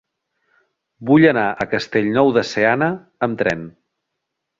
Vull anar a Castellnou de Seana amb tren.